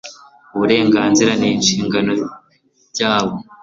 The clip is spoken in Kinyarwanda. uburenganzira n inshingano byabo